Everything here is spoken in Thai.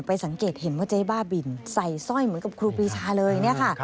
ไปสังเกตเห็นว่าเจ๊บ้าบินใส่สร้อยเหมือนครูบริชาเลย